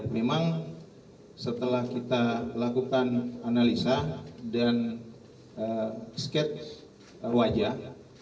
memang setelah kita lakukan analisa dan sketch wajah